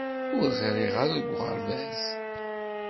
Ur ɣriɣ ara deg uɣerbaz.